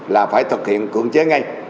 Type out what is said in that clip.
là phải thực hiện cưỡng chế ngay